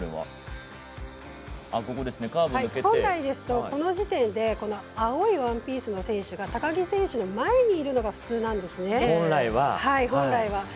本来ですと、この時点で青いワンピースの選手が高木選手の前にいるのが普通なんです、本来は。